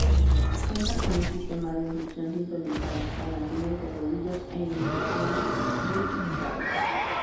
Cuenta con un sistema de inducción sintonizado, balancines de rodillos e ignición Slick Start.